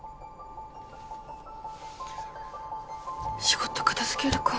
仕事片づけるか。